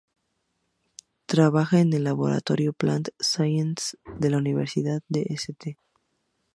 Trabaja en el Laboratorio Plant Science de la Universidad de St.